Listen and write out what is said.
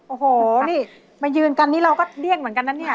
โอ้โหนี่มายืนกันนี่เราก็เลี่ยงเหมือนกันนะเนี่ย